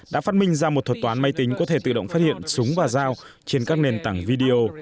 đã phát minh ra một thuật toán máy tính có thể tự động phát hiện súng và dao trên các nền tảng video